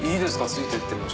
ついてっても。